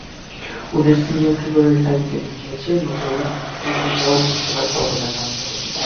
ওদের সিনিয়র খেলোয়াড়েরা দায়িত্ব নিয়ে খেলছে, নতুনরাও বুঝতে পারছে অবদান রাখতে হবে।